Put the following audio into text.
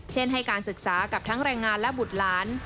เช่นให้การศึกษากับทั้งแรงงานและบุตรหลาน